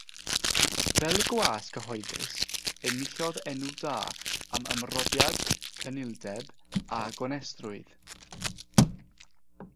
Fel gwas cyhoeddus, enillodd enw da am ymroddiad, cynildeb, a gonestrwydd.